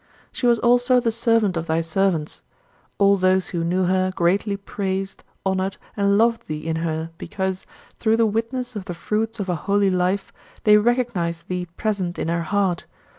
She was also the servant of thy servants. All those who knew her greatly praised, honored, and loved thee in her because, through the witness of the fruits of a holy life, they recognized thee present in her heart.